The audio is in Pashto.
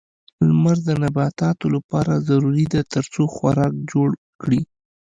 لمر د نباتاتو لپاره ضروري ده ترڅو خوراک جوړ کړي.